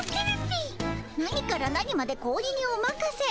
「何から何まで子鬼におまかせ。